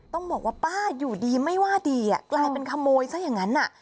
ต้องบอกว่าป้าอยู่ดีไม่ว่าดีกลายเป็นขโมยซะอย่างนั้น